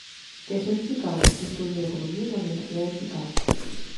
Creció en Chicago y estudió economía en la Universidad de Chicago.